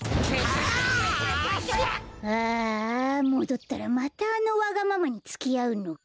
ああもどったらまたあのわがままにつきあうのか。